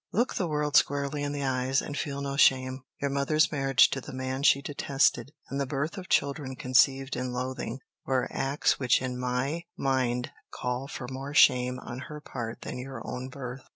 Look the world squarely in the eyes, and feel no shame. Your mother's marriage to the man she detested, and the birth of children conceived in loathing, were acts which in my mind called for more shame on her part than your own birth.